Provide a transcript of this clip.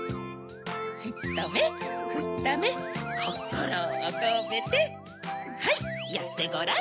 ひとめふためこころをこめてはいやってごらん。